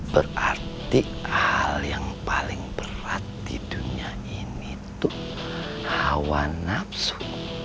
berarti hal yang paling berat di dunia ini tuh hawa nafsu